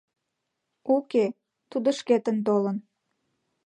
— Уке, тудо шкетын толын.